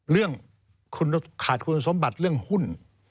เรื่องคุณขาดคุณสมบัติเรื่องหุ้น